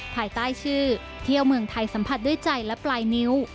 ภายใต้ชื่อเที่ยวเมืองไทยสัมผัสด้วยใจและปลายนิ้ว